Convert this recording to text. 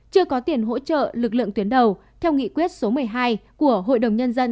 chưa có tiền hỗ trợ lực lượng tuyến đầu theo nghị quyết số một mươi hai của hội đồng nhân dân